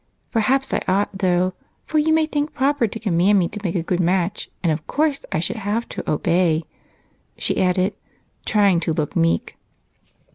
Perhaps I ought, though, for you may think it proper to command me to make a good match, and of course I should have to obey," she added, trying to look meek.